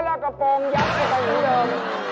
แล้วกระโปรงยับไว้ใครทีเดิม